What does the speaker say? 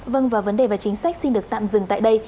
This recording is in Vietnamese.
vâng và vấn đề và chính sách xin được tạm dừng tại đây